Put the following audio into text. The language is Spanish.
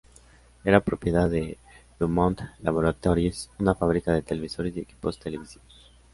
Era propiedad de DuMont Laboratories, una fábrica de televisores y equipos televisivos.